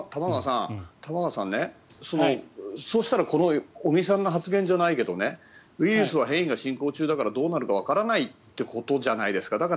玉川さん、そうしたらこの尾身さんの発言じゃないけどウイルスは変異が進行中だからどうなるかわからないってことじゃないですか。